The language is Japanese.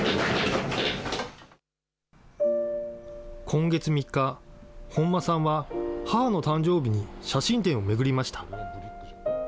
今月３日、本間さんは母の誕生日に写真展を巡りました。